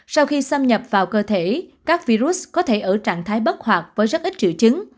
sau khi xâm nhập vào cơ thể các virus có thể ở trạng thái bất hoạt với rất ít triệu chứng